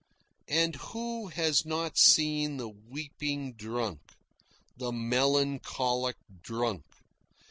(And who has not seen the weeping drunk, the melancholic drunk?